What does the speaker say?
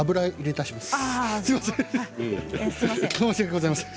申し訳ございません。